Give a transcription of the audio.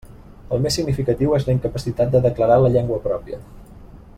El més significatiu és la incapacitat de declarar la llengua pròpia.